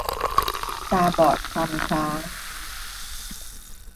ตาบอดคลำช้าง